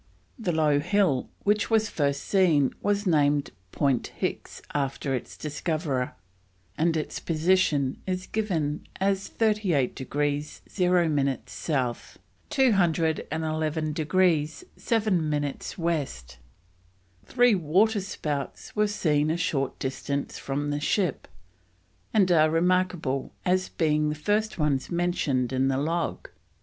The low hill which was first seen was named Point Hicks after its discoverer, and its position is given as 38 degrees 0 minutes South, 211 degrees 7 minutes West. Three waterspouts were seen a short distance from the ship, and are remarkable as being the first ones mentioned in the log.